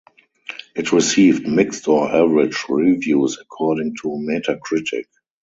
It received "mixed or average" reviews according to Metacritic.